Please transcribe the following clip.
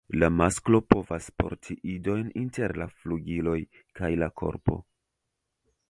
La masklo povas porti idojn inter la flugiloj kaj la korpo.